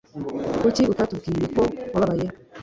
Kuki utatubwiye ko wababaye?